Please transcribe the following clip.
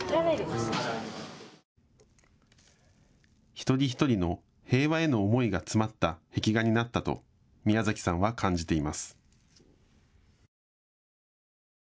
一人一人の平和への思いが詰まった壁画になったとミヤザキさんは感じています。